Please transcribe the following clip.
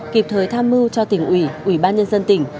kịp thời tham mưu cho tỉnh ủy ủy ban nhân dân tỉnh